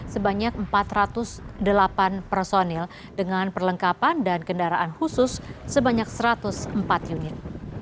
sebanyak empat ratus delapan personil dengan perlengkapan dan kendaraan khusus sebanyak satu ratus empat unit